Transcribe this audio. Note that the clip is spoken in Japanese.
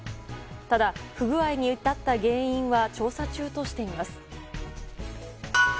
ただ、不具合に至った原因は調査中としています。